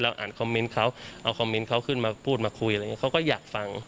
อ่านคอมเมนต์เขาเอาคอมเมนต์เขาขึ้นมาพูดมาคุยอะไรอย่างนี้เขาก็อยากฟัง